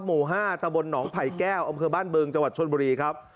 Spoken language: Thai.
หมู่๕ตะบนหนองไผ่แก้วอำเภอบ้านบึงจังหวัดชนบุรีครับ